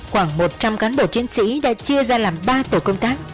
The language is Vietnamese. khoảng một trăm linh cán bộ chiến sĩ đã chia ra làm ba tổ công tác